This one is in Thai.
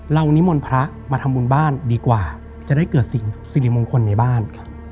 นิมนต์พระมาทำบุญบ้านดีกว่าจะได้เกิดสิ่งสิริมงคลในบ้าน